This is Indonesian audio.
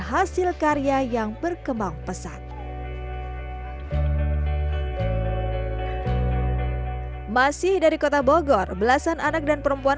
hasil karya yang berkembang pesat masih dari kota bogor belasan anak dan perempuan